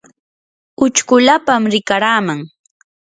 uchkulapam rikaraman.